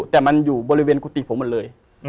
แต่มันอยู่บริเวณกุฏิผมหมดเลย